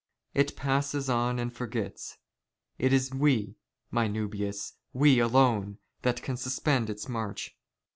It " passes on and forgets ; it is we, my Nubius, we alone, that can " suspend its march.